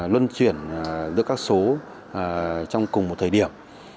luân chuyển giữa các số trong cùng một thời điểm